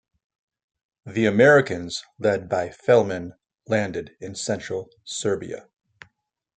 The Americans, led by Felman, landed in central Serbia.